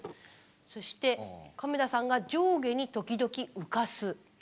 そして亀田さんが「上下に時々浮かす」。